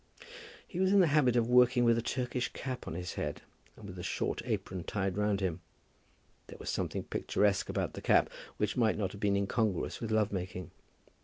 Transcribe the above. He was in the habit of working with a Turkish cap on his head, and with a short apron tied round him. There was something picturesque about the cap, which might not have been incongruous with love making.